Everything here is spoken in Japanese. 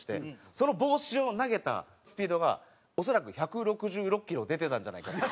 その帽子を投げたスピードが恐らく１６６キロ出てたんじゃないか。